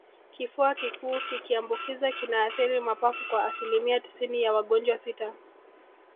Kifua kikuu kikiambukiza kinaathiri mapafu kwa asilimia tisini ya wagonjwa sita